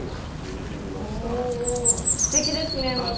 おおすてきですねまた。